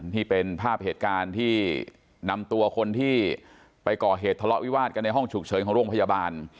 นี่เป็นภาพเหตุการณ์ที่นำตัวคนที่ไปก่อเหตุทะเลาะวิวาดกันในห้องฉุกเฉินของโรงพยาบาล